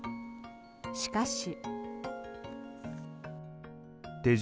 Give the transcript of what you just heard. しかし。